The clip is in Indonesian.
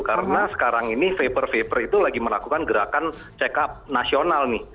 karena sekarang ini vape vape itu lagi melakukan gerakan check up nasional nih